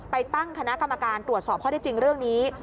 ไปตั้งคณะกรรมการตรวจสอบข้อได้จริงเรื่องนี้